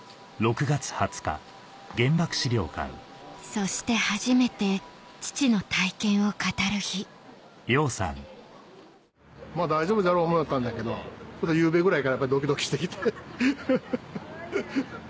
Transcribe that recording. そして初めて父の体験を語る日まぁ大丈夫じゃろう思いよったんだけどゆうべぐらいからドキドキしてきてフフフ。